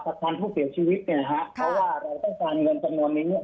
พันธุ์ผู้เสียชีวิตเนี่ยนะฮะเพราะว่าเราต้องการเงินจำนวนนี้เนี่ย